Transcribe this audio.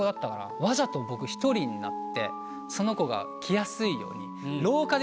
わざと僕１人になってその子が来やすいように。